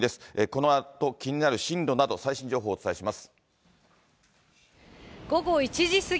このあと気になる進路など、最新情報をお伝えします。